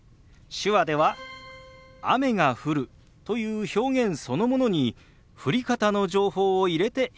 手話では「雨が降る」という表現そのものに降り方の情報を入れて表現するんです。